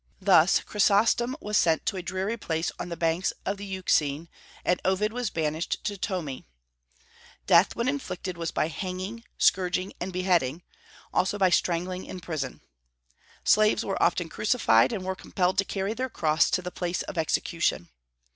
Thus Chrysostom was sent to a dreary place on the banks of the Euxine, and Ovid was banished to Tomi. Death, when inflicted, was by hanging, scourging, and beheading; also by strangling in prison. Slaves were often crucified, and were compelled to carry their cross to the place of execution.